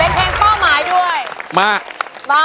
เป็นเพลงเป้าหมายด้วยมา